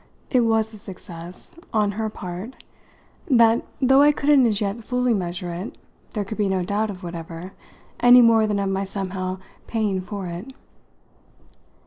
It was a success, on her part, that, though I couldn't as yet fully measure it, there could be no doubt of whatever, any more than of my somehow paying for it.